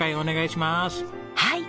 はい！